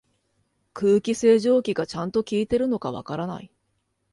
空気清浄機がちゃんと効いてるのかわからない